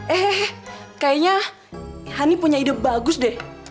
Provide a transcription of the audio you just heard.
eh kayaknya hani punya ide bagus deh